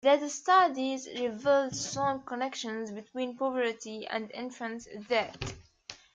These studies revealed strong connections between poverty and infant deaths.